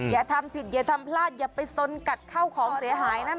อย่าทำผิดอย่าทำพลาดอย่าไปสนกัดเข้าของเสียหายนั้น